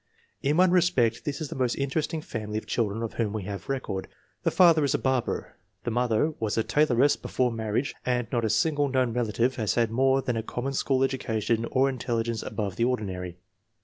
In one respect this is the most interesting family of children of whom we have record. The father is a barber, the mother was a tailoress before marriage, and not a single known relative has had more than a common school education or intelligence above the ordinary.